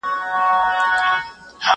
که باران وشي، زه به پاتې شم!